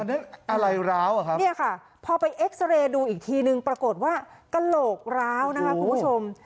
นี่ค่ะพอไปเอ็กซ์เรย์ดูอีกทีนึงปรากฏว่ากระโหลกร้าวนะคะคุณผู้ชม